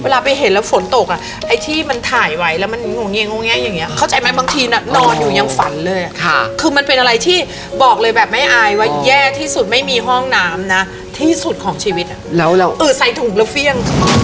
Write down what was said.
แล้วถามว่ารู้สึกยังไงฝนตกลงมาเนี่ย